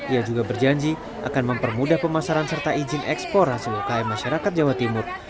ia juga berjanji akan mempermudah pemasaran serta izin ekspor hasil ukm masyarakat jawa timur